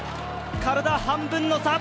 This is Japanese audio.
体半分の差